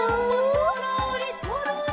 「そろーりそろり」